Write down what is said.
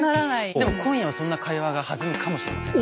でも今夜はそんな会話が弾むかもしれませんよ。